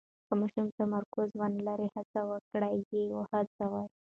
که ماشوم تمرکز ونلري، هڅه وکړئ یې هڅوئ.